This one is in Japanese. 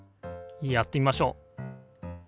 やってみましょう。